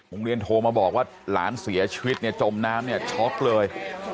โรงเรียนโทรมาบอกว่าหลานเสียชีวิตเนี่ยจมน้ำเนี่ยช็อกเลย